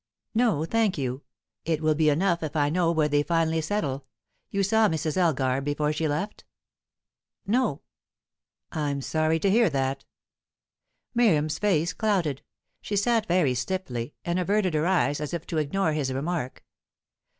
"No, thank you. It will be enough if I know where they finally settle. You saw Mrs. Elgar before she left?" "No." "I'm sorry to hear that." Miriam's face was clouded. She sat very stiffly, and averted her eyes as if to ignore his remark.